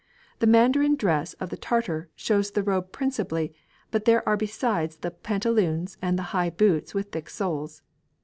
The Mandarin dress of the Tartar shows the robe principally, but there are besides the pantaloons and the high boots with thick soles.